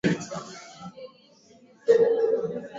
pacha wa Omdurman mashahidi walisema